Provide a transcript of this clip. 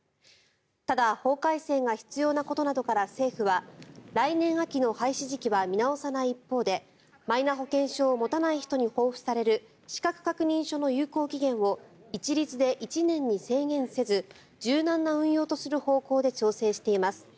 ただ、法改正が必要なことなどから政府は、来年秋の廃止時期は見直さない一方でマイナ保険証を持たない人に交付される資格確認書の有効期限を一律で１年に制限せず柔軟な運用とする方向で調整しています。